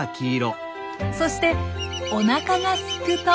そしておなかがすくと。